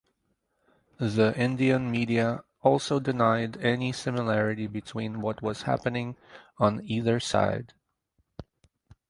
The Indian media also denied any similarity between what was happening on either side.